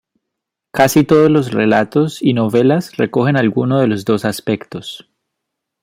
Casi todos los relatos y novelas recogen alguno de los dos aspectos.